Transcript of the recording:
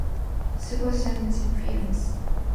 Scott Thomas also has acted in French films.